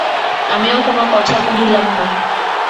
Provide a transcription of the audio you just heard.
আমিও কোনো কথা কহিলাম না।